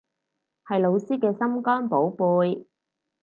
係老師嘅心肝寶貝